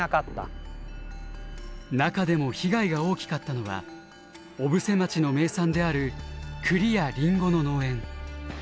中でも被害が大きかったのは小布施町の名産である栗やリンゴの農園。